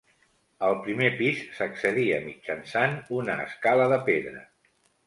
Al primer pis s'accedia mitjançant una escala de pedra.